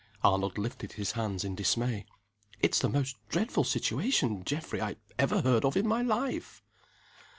Arnold lifted his hands in dismay. "It's the most dreadful situation, Geoffrey, I ever heard of in my life!"